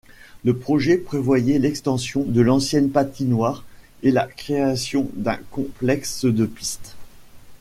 Le projet prévoyait l'extension de l'ancienne patinoire et la création d'un complexe de pistes.